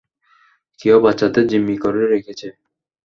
কেউ বাচ্চাদের জিম্মি করে রেখেছে।